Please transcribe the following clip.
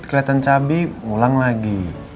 keliatan cabi ulang lagi